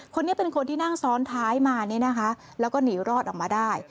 คนนี้เป็นคนที่นั่งซ้อนท้ายมาเนี่ยนะคะแล้วก็หนีรอดออกมาได้